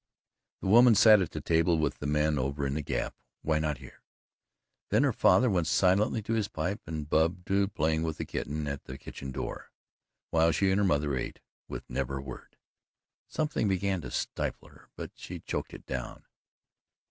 The women sat at the table with the men over in the Gap why not here? Then her father went silently to his pipe and Bub to playing with the kitten at the kitchen door, while she and her mother ate with never a word. Something began to stifle her, but she choked it down.